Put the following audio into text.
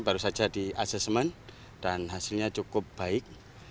baru saja di assessment dan hasilnya cukup baik